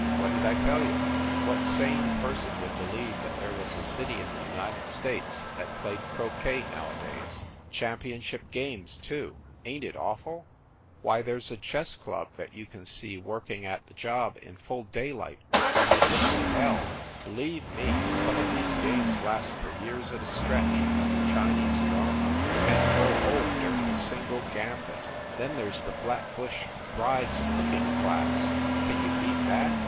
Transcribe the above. What did I tell you? What sane person would believe that there was a city in the United States that played croquet nowadays? Championship games, too. Ain t it awful? Why, there s a chess club that you can see work ing at the job in full daylight from the Brooklyn THE SUBWAY EXPRESS 193 "L"! Believe me some of these games last for years at a stretch like a Chinese drama. Men grow old during a single gambit. Then there s the "Flatbush Brides Cooking Class." Can you beat that?